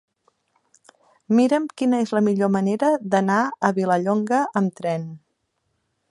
Mira'm quina és la millor manera d'anar a Vilallonga amb tren.